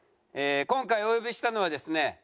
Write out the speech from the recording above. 今回お呼びしたのはですね